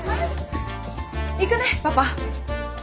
行くねパパ！